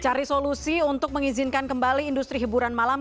cari solusi untuk mengizinkan kembali industri hiburan malam